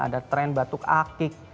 ada tren batuk akik